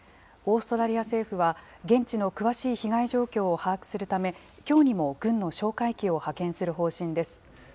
オーストラリア政府は、現地の詳しい被害状況を把握するため、きょうにも軍の哨戒機を派遣する方針です。